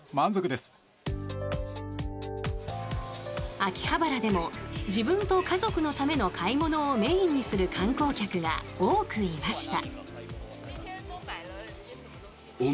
秋葉原でも自分と家族のための買い物をメインにする観光客が多くいました。